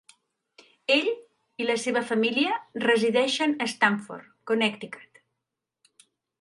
Ell i la seva família resideixen a Stamford (Connecticut).